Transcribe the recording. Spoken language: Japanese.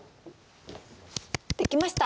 できました